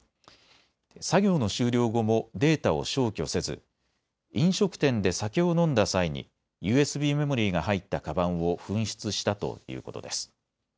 作業の終了後もデータを消去せず飲食店で酒を飲んだ際にＵＳＢメモリーが入ったかばんを紛失したということです。